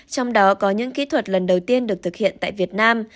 trong đó có những kỹ thuật lần đầu tiên được thực hiện tại việt nam